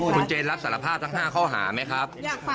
คุณเจนอยากบอกอะไรถึงลูกไหมครับ